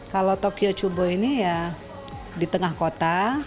kalau tokyo chubo ini ya di tengah kota